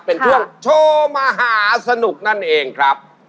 เป็นช่วงโชว์มหาสนุกนั่นเองครับ